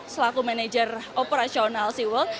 selaku manajer operasional seaworld